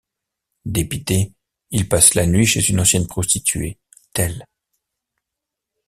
Dépité, il passe la nuit chez une ancienne prostituée, Thel.